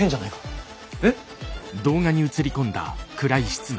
えっ？